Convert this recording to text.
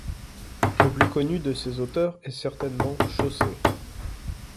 Le plus connu de ces auteurs est certainement Chaucer.